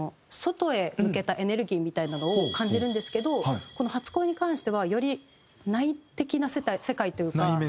外へ向けたエネルギーみたいなのを感じるんですけどこの『初恋』に関してはより内的な世界というか。